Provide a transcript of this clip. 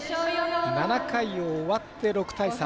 ７回を終わって６対３。